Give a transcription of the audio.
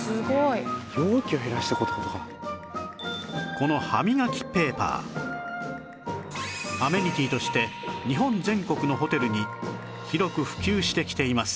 この歯磨きペーパーアメニティーとして日本全国のホテルに広く普及してきています